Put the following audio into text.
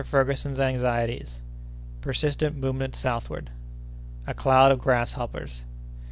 Ferguson's Anxieties.—Persistent Movement southward.—A Cloud of Grasshoppers.